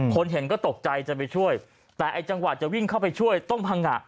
เห็นก็ตกใจจะไปช่วยแต่ไอ้จังหวะจะวิ่งเข้าไปช่วยต้องพังงะ